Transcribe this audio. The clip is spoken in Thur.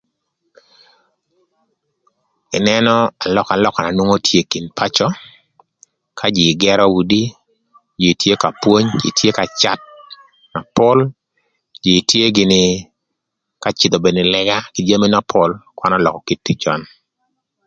Ïnënö alökalöka na nwongo tye ï kin pacö ka jïï gërö udi jïï tye ka pwony jïï tye ka cath pol jïï tye gïnï ka cïdhö mënë ï lëga kï jami na pol kwan ölökö kit tic nön.